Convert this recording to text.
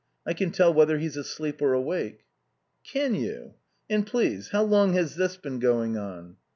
I can tell whether he's asleep or awake." "Can you? And, please, how long has this been going on?"